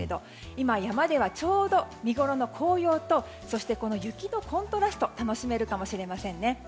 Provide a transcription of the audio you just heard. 今、山ではちょうど見ごろの紅葉とそして雪のコントラストが楽しめるかもしれませんね。